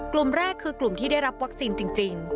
กลุ่มแรกคือกลุ่มที่ได้รับวัคซีนจริง